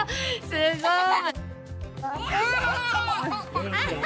すごい。